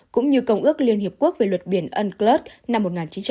cũng như công ước liên hiệp quốc về luật biển unclus năm một nghìn chín trăm tám mươi hai